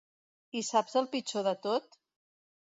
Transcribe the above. I saps el pitjor de tot?